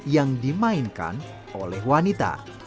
yang dimainkan oleh wanita